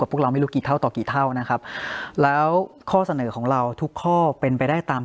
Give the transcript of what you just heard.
พวกเราไม่รู้กี่เท่าต่อกี่เท่านะครับแล้วข้อเสนอของเราทุกข้อเป็นไปได้ตาม